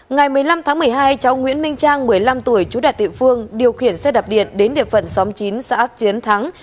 ngày một mươi năm tháng một mươi hai cháu nguyễn minh trang một mươi năm tuổi chú đạt địa phương điều khiển xe đạp điện đến địa phận xóm chín xã chiến thắng